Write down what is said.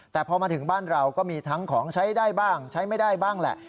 แต่พอมาถึงบ้านเราก็มีทั้งของใช้ได้บ้างใช้ไม่ได้บ้างแหละ